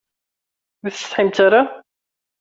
Ur tsetḥimt ara?